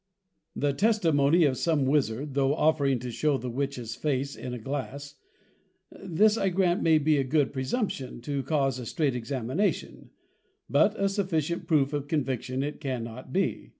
_The Testimony of some Wizzard, tho' offering to shew the Witches Face in a Glass: This, I grant, may be a good Presumption, to cause a strait Examination; but a sufficient Proof of Conviction it cannot be.